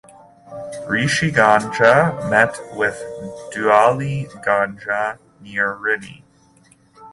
Rishi Ganga met with Dhauli ganga near Rini.